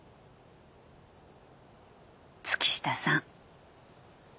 月下さん。